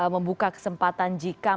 membuka kesempatan jika